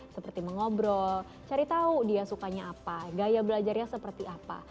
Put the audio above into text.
seperti mengobrol cari tahu dia sukanya apa gaya belajarnya seperti apa